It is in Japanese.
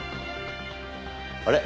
あれ？